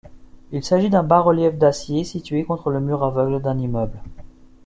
Il s'agit d'un bas-relief d'acier situé contre le mur aveugle d'un immeuble.